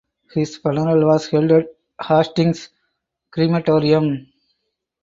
His funeral was held at Hastings Crematorium.